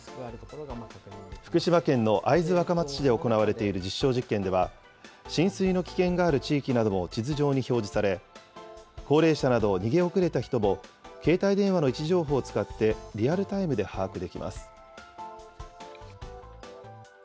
福島県の会津若松市で行われている実証実験では、浸水の危険がある地域なども地図上に表示され、高齢者など逃げ遅れた人も、携帯電話の位置情報を使ってリアルタイムで把握できます。